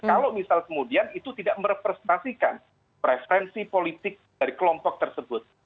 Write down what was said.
kalau misal kemudian itu tidak merepresentasikan preferensi politik dari kelompok tersebut